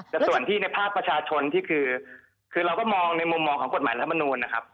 แต่ส่วนที่ในภาคประชาชนที่คือเราก็มองในมุมมองของกฎหมายรัฐมนูลนะครับ